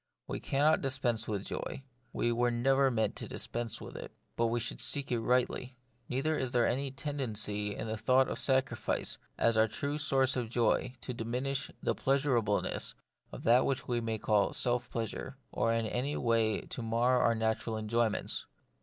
We cannot dispense with joy; we were never meant to dispense with it ; but we should seek it rightly. Neither is there any tendency in the thought of sacrifice as the true source of joy to diminish the pleasurableness of that which we may call self pleasure, or in any way to mar our natural enjoyments.